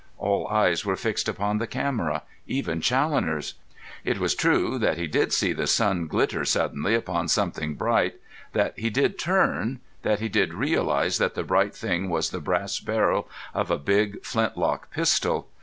All eyes were fixed upon the camera, even Challoner's. It was true that he did see the sun glitter suddenly upon something bright, that he did turn, that he did realise that the bright thing was the brass barrel of a big flintlock pistol.